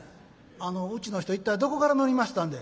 「あのうちの人一体どこから乗りましたんで？」。